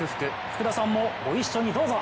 福田さんも、ご一緒に、どうぞ。